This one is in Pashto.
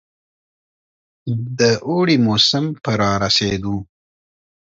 د اوړي موسم په رارسېدو.